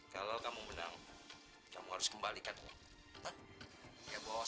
kalau kamu menang kamu harus kembalikan